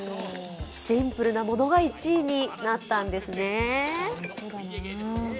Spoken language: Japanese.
シンプルなものが１位になったんですね。